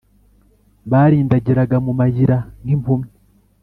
Barindagiraga mu mayira, nk’impumyi;